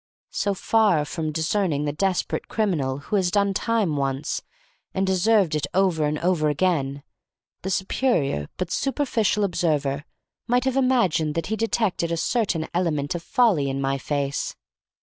So far from discerning the desperate criminal who has "done time" once, and deserved it over and over again, the superior but superficial observer might have imagined that he detected a certain element of folly in my face.